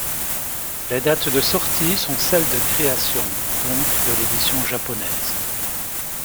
Les dates de sorties sont celles de création, donc de l'édition japonaise.